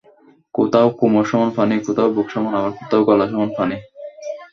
কোথাও কোমর সমান পানি, কোথাও বুক সমান আবার কোথাও গলা সমান পানি।